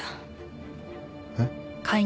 えっ？